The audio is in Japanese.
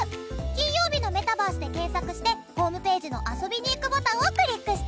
『金曜日のメタバース』で検索してホームページの遊びに行くボタンをクリックしてね。